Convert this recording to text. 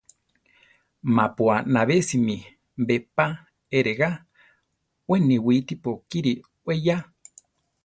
Mapu anabésimi be pa eregá, we niwítipo kiri we ya.